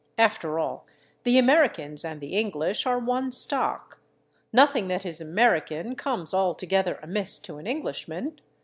After all, the Americans and the English are one stock. Nothing that is American comes altogether amiss to an Englishman.